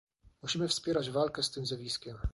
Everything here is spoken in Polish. Musimy wspierać walkę z tym zjawiskiem